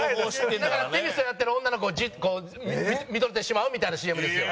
だからテニスをやってる女の子をジッとこう見とれてしまうみたいなＣＭですよ。